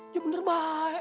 ya bener baik